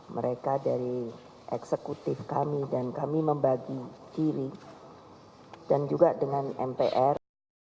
mereka dari eksekutif kami dan kami membagi kiri dan juga dengan mpr